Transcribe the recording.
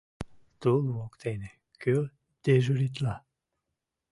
— Тул воктене кӧ дежуритла?